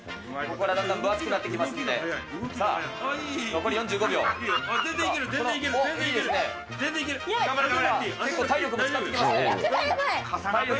ここからだんだん分厚くなってまいりますんで。